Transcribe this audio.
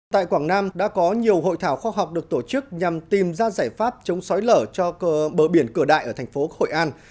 tại quảng nam đã có nhiều hội thảo khoa học được tổ chức nhằm tìm ra giải pháp chống xói lở cho bờ biển cửa đại ở thành phố hội an